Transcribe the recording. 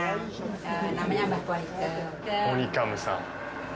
モニカムさん。